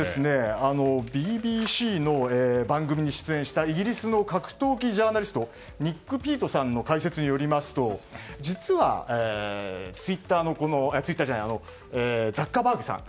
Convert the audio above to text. ＢＢＣの番組に出演したイギリスの格闘技ジャーナリストニック・ピートさんの解説によりますと実は、ザッカーバーグさん